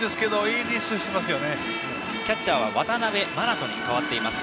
キャッチャーは渡辺眞翔に代わっています。